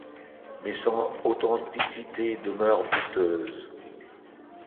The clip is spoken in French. Mais son authenticité demeure douteuse.